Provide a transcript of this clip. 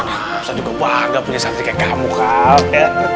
ustaz juga bangga punya sadri kayak kamu kak